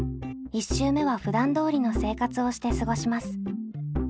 １週目はふだんどおりの生活をして過ごします。